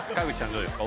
どうですか？